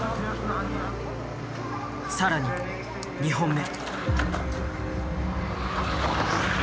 更に２本目。